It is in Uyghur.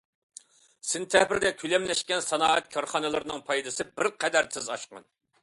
سېنتەبىردە كۆلەملەشكەن سانائەت كارخانىلىرىنىڭ پايدىسى بىر قەدەر تېز ئاشقان.